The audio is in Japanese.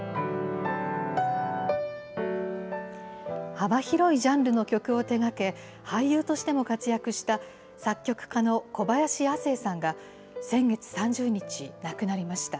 幅広いジャンルの曲を手がけ、俳優としても活躍した作曲家の小林亜星さんが、先月３０日、亡くなりました。